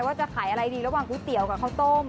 ว่าจะขายอะไรดีระหว่างก๋วยเตี๋ยวกับข้าวต้ม